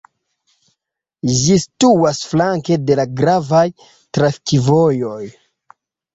Ĝi situas flanke de la gravaj trafikvojoj.